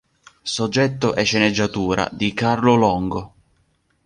Soggetto e sceneggiatura di Carlo Longo.